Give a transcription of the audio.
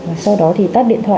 và sau đó thì tắt điện thoại